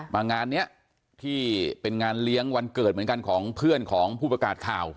งานนี้ที่เป็นงานเลี้ยงวันเกิดเหมือนกันของเพื่อนของผู้ประกาศข่าว